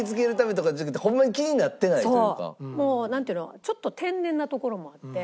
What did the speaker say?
もうなんて言うのちょっと天然なところもあって。